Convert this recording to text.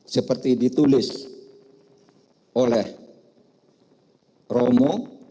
seperti ditulis oleh romo